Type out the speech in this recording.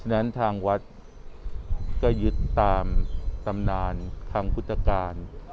ฉะนั้นทางวัดก็หยุดตามตำนานคำพุทธกาล